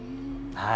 はい。